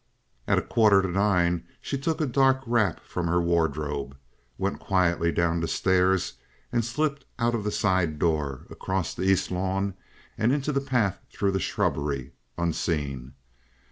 At a quarter to nine she took a dark wrap from her wardrobe, went quietly down the stairs, and slipped out of the side door, across the east lawn, and into the path through the shrubbery, unseen.